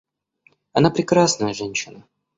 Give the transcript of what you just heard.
Она прекрасная женщина.